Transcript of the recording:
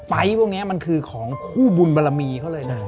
พวกนี้มันคือของคู่บุญบรมีเขาเลยนะ